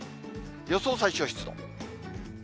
予想最小湿度。